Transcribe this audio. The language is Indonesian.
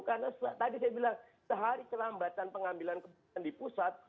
karena tadi saya bilang sehari kelambatan pengambilan kebutuhan di pusat